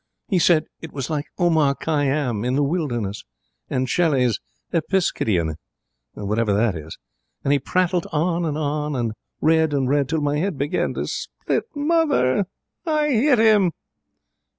He said it was like Omar Khayyam in the Wilderness and Shelley's Epipsychidion, whatever that is; and he prattled on and on and read and read till my head began to split. Mother' her voice sank to a whisper 'I hit him!'